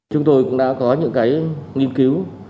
chúng tôi cũng đã có những nghiên cứu